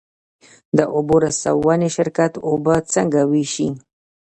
د اوبو رسونې شرکت اوبه څنګه ویشي؟